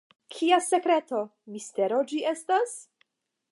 Kia sekreto, mistero ĝi estas?